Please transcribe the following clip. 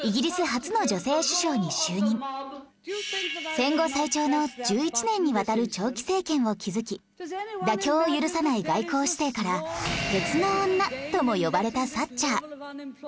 戦後最長の１１年にわたる長期政権を築き妥協を許さない外交姿勢から鉄の女とも呼ばれたサッチャー